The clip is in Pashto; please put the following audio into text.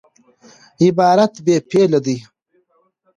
عبارت بې فعله يي.